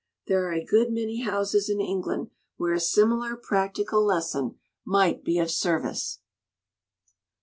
There are a good many houses in England where a similar practical lesson might be of service.